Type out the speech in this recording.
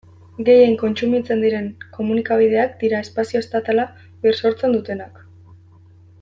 Gehien kontsumitzen diren komunikabideak dira espazio estatala bisortzen dutenak.